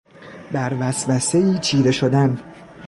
بر وسوسهای چیره شدن